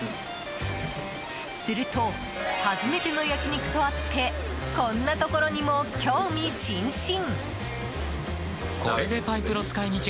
すると初めての焼き肉とあってこんなところにも興味津々。